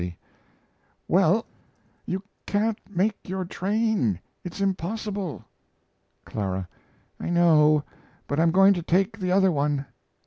Well, you can't make your train; it's impossible. CL. I know, but I'm going to take the other one.